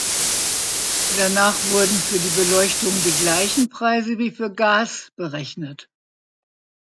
Danach wurden für die Beleuchtung die gleichen Preise wie für Gas berechnet.